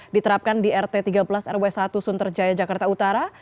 diterapkan di rt tiga belas rw satu sunterjaya jakarta utara